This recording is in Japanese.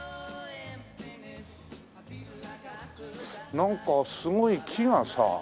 なんかすごい木がさ